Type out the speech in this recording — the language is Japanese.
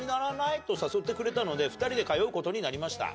と誘ってくれたので２人で通うことになりました。